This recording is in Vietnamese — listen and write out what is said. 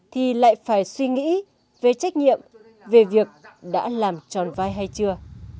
thì lại phải suy nghĩ về trách nhiệm về việc đã làm tròn vai hay chưa